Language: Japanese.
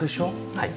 はい。